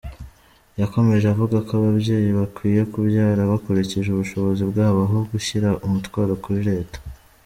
Yakomeje avuga ko ababyeyi bakwiye kubyara bakurikije ubushobozi bwabo aho gushyira umutwaro kuri Leta.